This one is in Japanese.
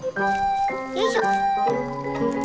よいしょ！